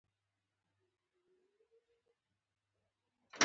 په بر سر کښې د کرزي او بوش پر ځاى.